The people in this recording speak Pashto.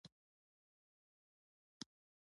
زده کوونکي دې په خپلو کتابچو کې د متن تش ځایونه ډک کړي.